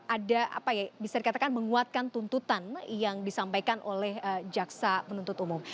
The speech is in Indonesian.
ada apa ya bisa dikatakan menguatkan tuntutan yang disampaikan oleh jaksa penuntut umum